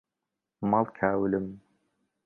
ماڵ کاولم